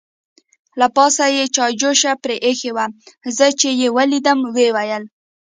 له پاسه یې چای جوش پرې اېښې وه، زه چې یې ولیدم ویې ویل.